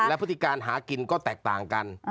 และพฤติการหากินก็แตกต่างกัน